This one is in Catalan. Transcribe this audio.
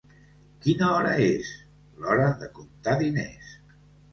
Quina hora és? —L'hora de comptar diners.